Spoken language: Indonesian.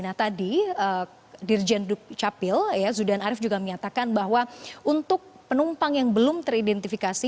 nah tadi dirjen dukcapil zudan arief juga menyatakan bahwa untuk penumpang yang belum teridentifikasi